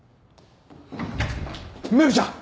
メグちゃん！